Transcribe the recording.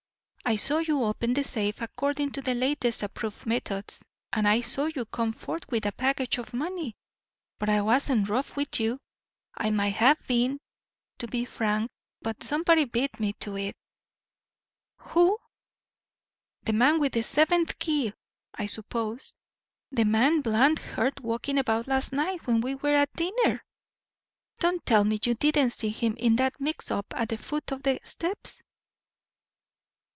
I saw you open the safe according to the latest approved methods, and I saw you come forth with a package of money. But I wasn't rough with you. I might have been, to be frank, but somebody beat me to it." "Who?" "The man with the seventh key, I suppose. The man Bland heard walking about last night when we were at dinner. Don't tell me you didn't see him in that mix up at the foot of the steps?"